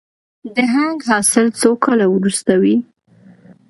د هنګ حاصل څو کاله وروسته وي؟